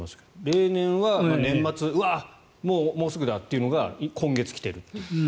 例年は年末うわ、もうすぐだというのが今月来ている。